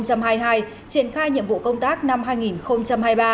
triển khai nhiệm vụ công tác năm hai nghìn hai mươi ba